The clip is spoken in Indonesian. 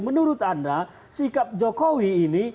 menurut anda sikap jokowi ini